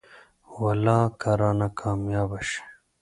والله که رانه کاميابه شې.